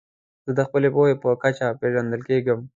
زه د خپلي پوهي په کچه پېژندل کېږم.